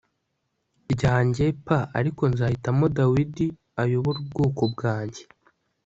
ryanjye p Ariko nzahitamo Dawidi ayobore ubwoko bwanjye